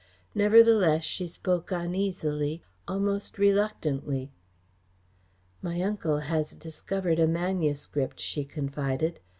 Nevertheless she spoke uneasily, almost reluctantly. "My uncle has discovered a manuscript," she confided.